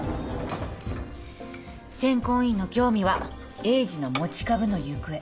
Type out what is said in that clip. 選考委員の興味は栄治の持ち株の行方